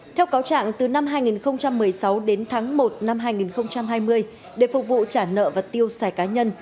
theo cáo trạng từ năm hai nghìn một mươi sáu đến tháng một năm hai nghìn hai mươi để phục vụ trả nợ và tiêu xài cá nhân